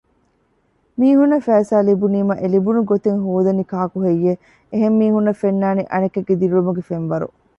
މީހުންނަށް ފައިސާ ލިބުނީމާ އެލިބުނު ގޮތެއް ހޯދަނީ ކާކުހެއްޔެވެ؟ އެހެން މީހުންނަށް ފެންނާނީ އަނެކެއްގެ ދިރިއުޅުމުގެ ފެންވަރު